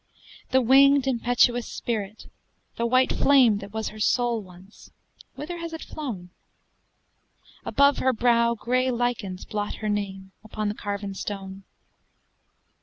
The winged impetuous spirit, the white flame That was her soul once, whither has it flown? Above her brow gray lichens blot her name Upon the carven stone.